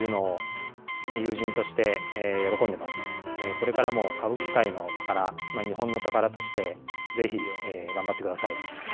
これからも歌舞伎界の宝日本の宝としてぜひ頑張ってください。